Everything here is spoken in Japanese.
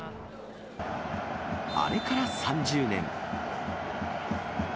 あれから３０年。